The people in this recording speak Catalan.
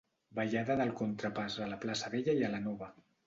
Ballada del Contrapàs a la plaça Vella i a la Nova.